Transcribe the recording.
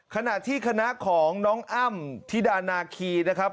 ขณะที่คณะของน้องอ้ำธิดานาคีนะครับ